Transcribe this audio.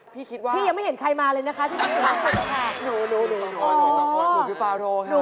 พี่คิดว่าพี่ยังไม่เห็นใครมาเลยนะคะ